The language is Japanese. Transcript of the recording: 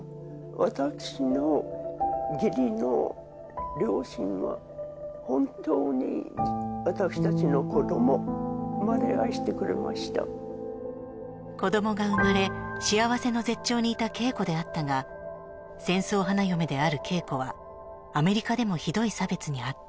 私の義理の両親は本当に私たちの子どもまで愛してくれました子どもが生まれ幸せの絶頂にいた桂子であったが戦争花嫁である桂子はアメリカでもひどい差別に遭った